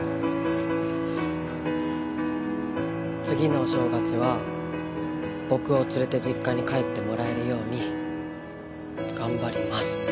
次のお正月は僕を連れて実家に帰ってもらえるように頑張ります。